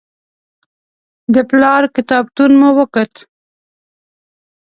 د پلار کتابتون مو وکت.